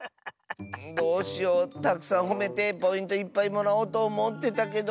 どうしようたくさんほめてポイントいっぱいもらおうとおもってたけど。